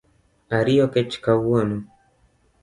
Ariyo kech kawuono